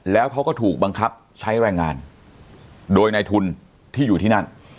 แล้วเขาก็ถูกบังคับใช้แรงงานโดยในทุนที่อยู่ที่นั่น